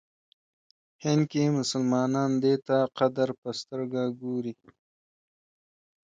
هند کې مسلمانان دی ته قدر په سترګه ګوري.